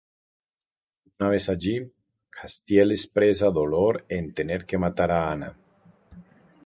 Una vez allí, Castiel expresa dolor en tener que matar a Anna.